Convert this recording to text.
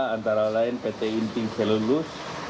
antara lain pt inti selulus